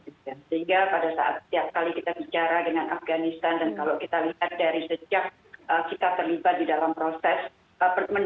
sehingga pada saat setiap kali kita bicara dengan afganistan dan kalau kita lihat dari sejak kita terlibat di dalam proses